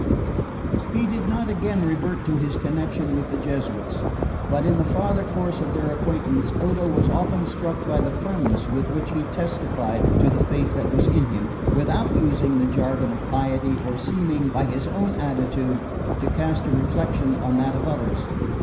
He did not again revert to his connection with the Jesuits; but in the farther course of their acquaintance Odo was often struck by the firmness with which he testified to the faith that was in him, without using the jargon of piety, or seeming, by his own attitude, to cast a reflection on that of others.